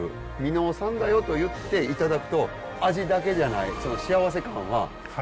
箕面産だよと言っていただくと味だけじゃない幸せ感は倍増しますね。